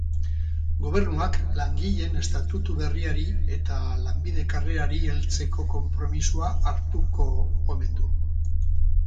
Gobernuak langileen estatutu berriari eta lanbide karrerari heltzeko konpromisoa hartuko omen du.